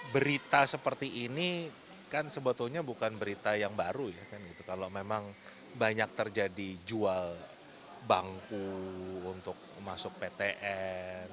berita seperti ini kan sebetulnya bukan berita yang baru ya kan gitu kalau memang banyak terjadi jual bangku untuk masuk ptn